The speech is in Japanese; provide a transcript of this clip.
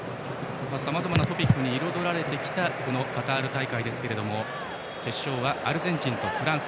さまざまなトピックに彩られてきたカタール大会ですが決勝はアルゼンチンとフランス。